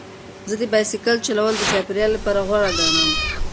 زه د بایسکل چلول د چاپیریال لپاره غوره ګڼم.